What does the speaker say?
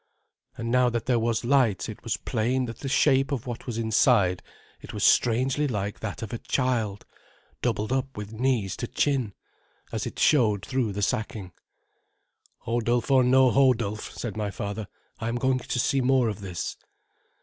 And now that there was light it was plain that the shape of what was inside it was strangely like that of a child, doubled up with knees to chin, as it showed through the sacking. "Hodulf or no Hodulf," said my father, "I am going to see more of this."